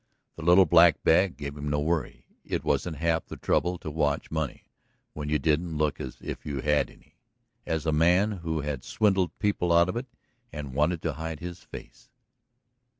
The little black bag gave him no worry. It wasn't half the trouble to watch money, when you didn't look as if you had any, as a man who had swindled people out of it and wanted to hide his face.